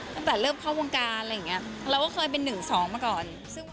ตั้งแต่เริ่มเข้าวงการอะไรอย่างนี้เราก็เคยเป็น๑๒มาก่อน